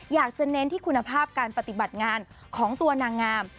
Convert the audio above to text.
อยากจะเน้นที่คุณภาพการปฏิบัติงานของตัวนางงาม